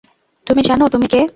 তুমি জানো তুমি কে?